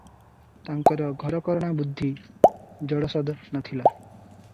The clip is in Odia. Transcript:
ତାଙ୍କର ଘରକରଣା ବୁଦ୍ଧି ଜଡ଼ସଦ ନ ଥିଲା ।